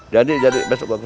jadi jadi besok gua kesana